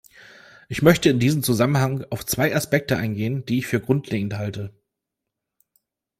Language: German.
Ich möchte in diesem Zusammenhang auf zwei Aspekte eingehen, die ich für grundlegend halte.